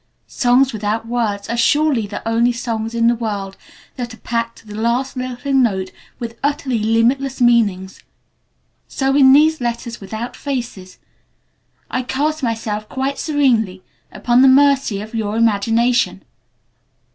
'Songs without words' are surely the only songs in the world that are packed to the last lilting note with utterly limitless meanings. So in these 'letters without faces' I cast myself quite serenely upon the mercy of your imagination.